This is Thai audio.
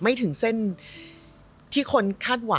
ไม่ถึงเส้นที่คนคาดหวัง